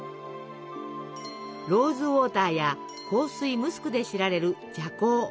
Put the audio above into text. ローズウォーターや香水ムスクで知られるじゃ香。